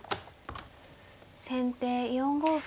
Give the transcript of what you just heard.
先手４五歩。